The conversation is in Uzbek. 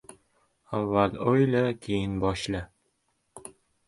• Avval o‘yla, keyin boshla.